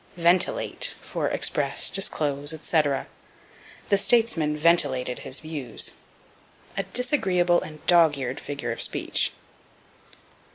Ventilate for Express, Disclose, etc. "The statesman ventilated his views." A disagreeable and dog eared figure of speech.